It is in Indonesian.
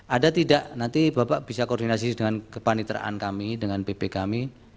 ada tidak nanti bapak bisa koordinasi dengan kepaniteraan kami dengan pp kami